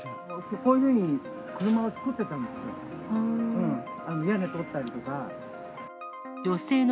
こういうふうに車を作ってたの。